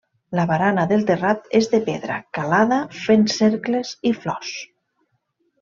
La barana del terrat és de pedra calada fent cercles i flors.